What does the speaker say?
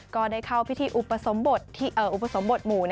ก็ได้เข้าพิธีอุปสมบทหมู่